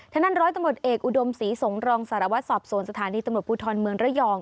ท่านนั้นร้อยตำรวจเอกอุดมศรีสงรองสารวัตรสอบสวนสถานีตำรวจภูทรเมืองระยอง